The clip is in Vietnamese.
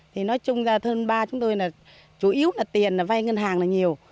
thì nói chung là thân ba chúng tôi là chủ yếu là tiền là vay ngân hàng là nhiều